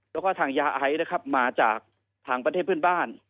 แล้วก็ทางยาไอนะครับมาจากทางประเทศเพื่อนบ้าน